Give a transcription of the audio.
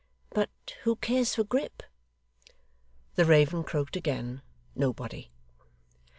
But who cares for Grip?' The raven croaked again Nobody.